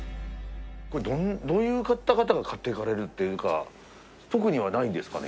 これどういう方々が買っていかれるっていうか特にはないんですかね？